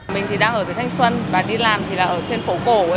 mình thì đang ở thành xuân và đi làm thì là ở trên phố cổ